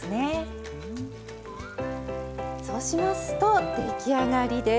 そうしますと出来上がりです。